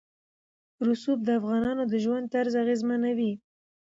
رسوب د افغانانو د ژوند طرز اغېزمنوي.